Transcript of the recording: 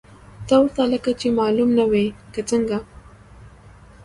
ته ورته لکه چې معلوم نه وې، که څنګه؟